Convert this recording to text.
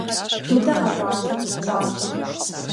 Мыдэ къэкӀуатэт, щӀалэ.